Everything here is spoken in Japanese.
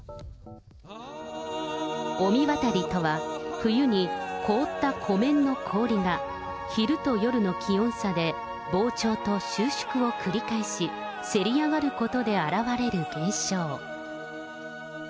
御神渡りとは、冬に凍った湖面の氷が、昼と夜の気温差で膨張と収縮を繰り返し、せり上がることで現れる現象。